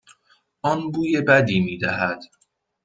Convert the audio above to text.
آن بوی بدی میدهد.